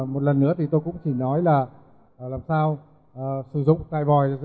một lần nữa thì tôi cũng chỉ nói là làm sao sử dụng tại vòi